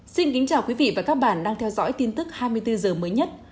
xin kính chào quý vị và các bạn đang theo dõi tin tức hai mươi bốn h mới nhất